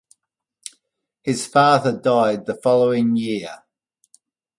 His father died the following year.